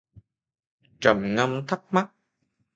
Trầm ngâm thắc mắc